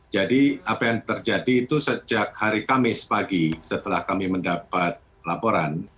jadi apa yang terjadi itu sejak hari kamis pagi setelah kami mendapat laporan